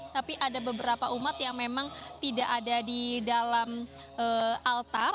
tapi ada beberapa umat yang memang tidak ada di dalam altar